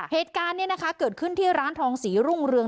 เหตุการณ์นี้นะคะเกิดขึ้นที่ร้านทองศรีรุ่งเรือง